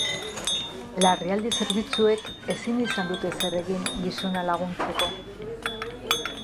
Larrialdi zerbitzuek ezin izan dute ezer egin gizona laguntzeko.